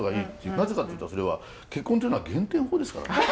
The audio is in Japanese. なぜかっていうとそれは結婚っていうのは減点法ですからね。